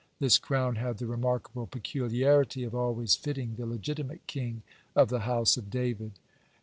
This crown had the remarkable peculiarity of always fitting the legitimate king of the house of David.